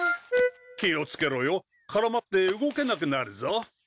気をつけろよ絡まって動けなくなるぞ。